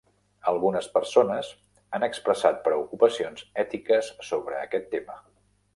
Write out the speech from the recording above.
Algunes persones han expressat preocupacions ètiques sobre aquest tema.